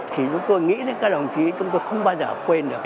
thì chúng tôi nghĩ đến các đồng chí chúng tôi không bao giờ quên được